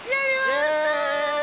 イエーイ！